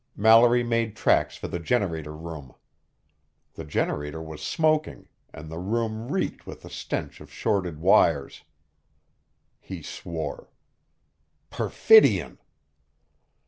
Mallory made tracks for the generator room. The generator was smoking, and the room reeked with the stench of shorted wires. He swore. Perfidion!